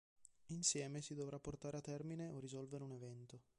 Insieme si dovrà portare a termine o risolvere un evento.